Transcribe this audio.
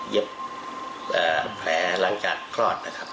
เย็บแผลรังกาศกลอดนะครับ